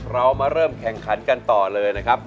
เรามาเริ่มแข่งขันกันต่อเลยนะครับ